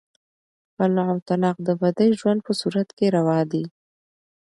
خلع او طلاق د بدې ژوند په صورت کې روا دي.